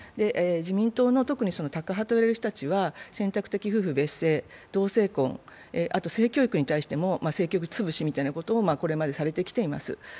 自民党の特にタカ派と言われる人たちは選択的夫婦別姓、同性婚、あと性教育に対しても性教育潰しみたいなこともこれまでされてきています。